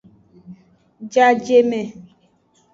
Jajeme.